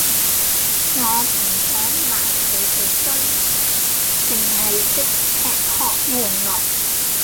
我唔想埋佢地堆，剩係識吃喝玩樂